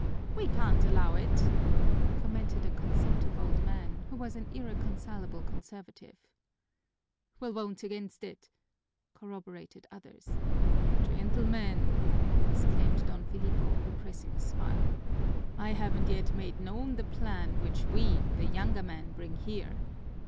"We can't allow it," commented a consumptive old man, who was an irreconcilable conservative. "We'll vote against it," corroborated others. "Gentlemen!" exclaimed Don Filipo, repressing a smile, "I haven't yet made known the plan which we, the younger men, bring here.